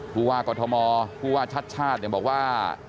ผู้ว่ากฎมชาติชาติบอกว่า